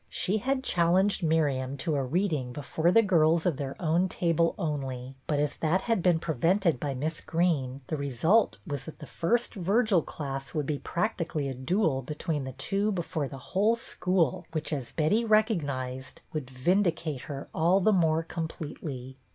She had challenged Miriam to a reading before the girls of their own table only, but as that had been prevented by Miss Greene, the result was that the first Virgil class would be practically a duel be tween the two before the whole school, which, as Betty recognized, would vindicate her all the more completely.